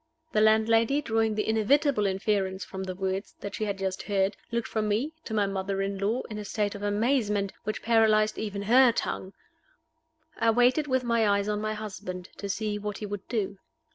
The landlady, drawing the inevitable inference from the words that she had just heard, looked from me to my mother in law in a state of amazement, which paralyzed even her tongue. I waited with my eyes on my husband, to see what he would do.